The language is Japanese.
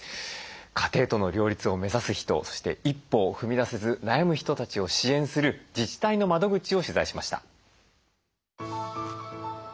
家庭との両立を目指す人そして一歩を踏み出せず悩む人たちを支援する自治体の窓口を取材しました。